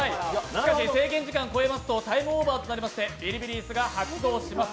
しかし、制限時間を超えますとタイムオーバーとなりまして、ビリビリ椅子が発動します。